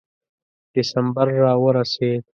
ډسمبر را ورسېد.